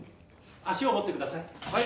足を持ってください。